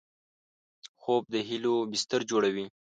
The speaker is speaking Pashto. خوب د هیلو بستر جوړوي